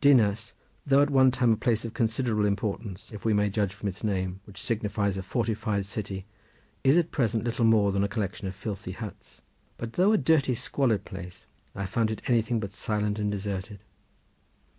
Dinas, though at one time a place of considerable importance, if we may judge from its name which signifies a fortified city, is at present little more than a collection of filthy huts. But though a dirty squalid place, I found it anything but silent and deserted.